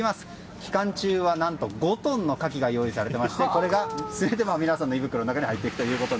期間中は何と５トンのカキが用意されていましてこれが全て皆さんの胃袋の中に入っていくと。